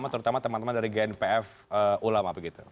terima kasih pak yusuf